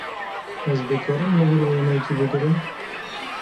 Ez dikarim li vir wêneyekî bigirim?